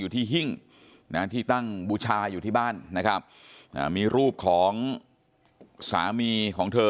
อยู่ที่หิ้งที่ตั้งบูชายอยู่ที่บ้านมีรูปของสามีของเธอ